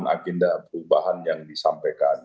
agenda perubahan yang disampaikan